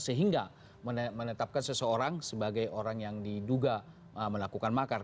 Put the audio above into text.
sehingga menetapkan seseorang sebagai orang yang diduga melakukan makar